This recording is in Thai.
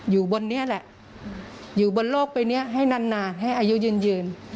อยู่บนนี้แหละอยู่บนโลกไปนี้ให้นานให้อายุยืน